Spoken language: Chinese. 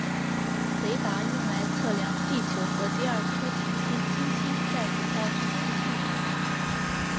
雷达用来测量地球和第二颗行星金星在轨道之间的距离。